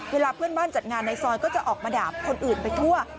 เวลาเพื่อนบ้านจัดงานในซอยก็จะออกมาด่าคนอื่นไปทั่ว